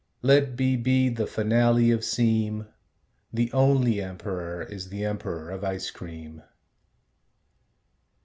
Let be be the finale of seem. The only emperor is the emperor of ice cream.